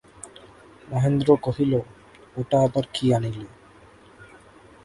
মহেন্দ্র কহিল, ওটা আবার কী আনিলে।